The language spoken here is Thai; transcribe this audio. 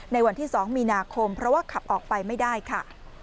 ในวันที่๒มีนาคมเพราะว่าขับออกไปไม่ได้ค่ะ